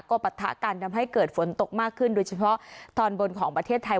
ก็ปะทะกันทำให้เกิดฝนตกมากขึ้นโดยเฉพาะตอนบนของประเทศไทย